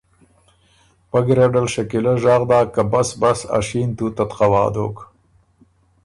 پۀ ګیرډل شکیلۀ ژغ داک که بس بس ا شین تُوتت خوا دوک۔